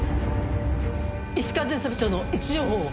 石川巡査部長の位置情報を！